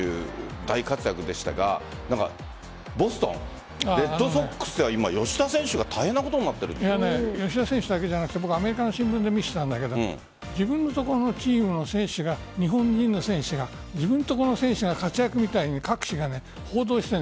大活躍でしたがボストンレッドソックスでは今吉田選手が吉田選手だけじゃなくてアメリカの新聞で見ていたんだけど自分のところのチームの選手が日本人の選手が自分ところの選手が活躍みたいに各紙が報道している。